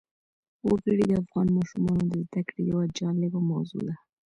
وګړي د افغان ماشومانو د زده کړې یوه جالبه موضوع ده.